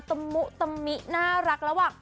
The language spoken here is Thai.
ตะมุตะมิน่ารักระหว่าง